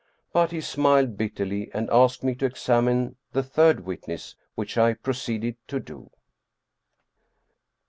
But he smiled bitterly and asked me to examine the third witness, which I proceeded to do.